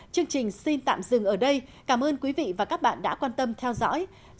chương trình xin tạm dừng ở đây cảm ơn quý vị và các bạn đã quan tâm theo dõi hẹn gặp lại